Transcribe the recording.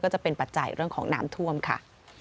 จะเป็นปัจจัยเรื่องของน้ำท่วมค่ะ